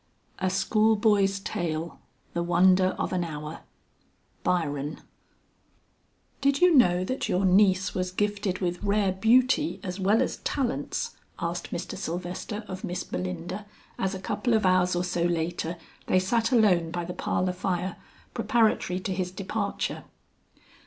"A school boy's tale; the wonder of an hour." BYRON. "Did you know that your niece was gifted with rare beauty as well as talents?" asked Mr. Sylvester of Miss Belinda as a couple of hours or so later, they sat alone by the parlor fire, preparatory to his departure.